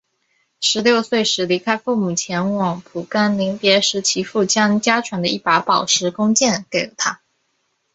十六岁时离开父母前往蒲甘临别时其父将家传的一把宝石弓箭给了他。